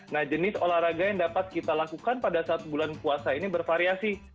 nah jenis olahraga yang dapat kita lakukan pada saat bulan puasa ini bervariasi